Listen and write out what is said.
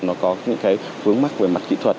nó có những vướng mắt về mặt kỹ thuật